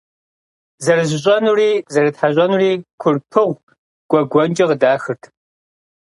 Зэрыжьыщӏэнури зэрытхьэщӏэнури Курпыгъу гуэгуэнкӏэ къыдахырт.